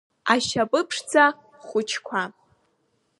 Ашьапы ԥшӡа хәыҷқәа…